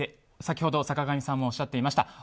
先ほど坂上さんもおっしゃっていました